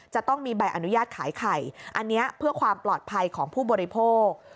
จะต้องมีใบอนุญาตขายไข่อันนี้เพื่อความปลอดภัยของผู้บริโภค